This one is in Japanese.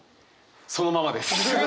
そのままです。